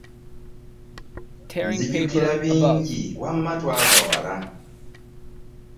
Nzijukira bingi wamma twava wala.